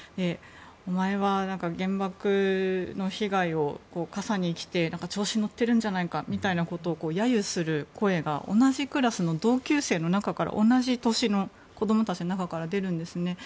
お前は原爆の被害をかさに着て調子に乗ってるんじゃないかみたいなことを揶揄する声が同じクラスの同級生の中から同じ年の子供たちの中から出るんですね。